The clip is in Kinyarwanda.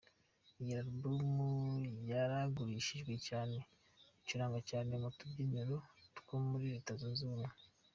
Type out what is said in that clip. Iyi album yaragurishijwe cyane, icurangwa cyane mu tubyiniro two muri Reta zunze ubumwe.